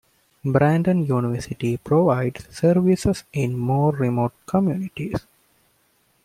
Brandon University provides services in more remote communities.